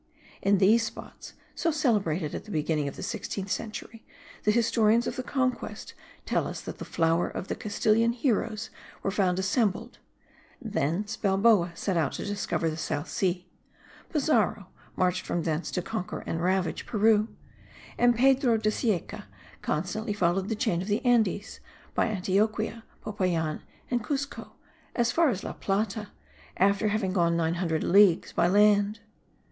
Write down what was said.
In these spots, so celebrated at the beginning of the sixteenth century, the historians of the conquest tell us that the flower of the Castilian heroes were found assembled: thence Balboa set out to discover the South Sea; Pizarro marched from thence to conquer and ravage Peru; and Pedro de Cieca constantly followed the chain of the Andes, by Autioquia, Popayan and Cuzco, as far as La Plata, after having gone 900 leagues by land.